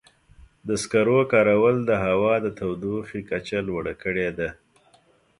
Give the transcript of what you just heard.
د سکرو کارول د هوا د تودوخې کچه لوړه کړې ده.